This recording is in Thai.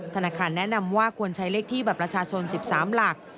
ธนาคารแนะนำว่าควรใช้เลขที่บัตรประชาชน๑๓หลัก